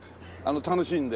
楽しんで。